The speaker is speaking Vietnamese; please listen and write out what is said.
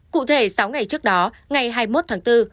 cụ thể sáu ngày trước đó ngày hai mươi một tháng bốn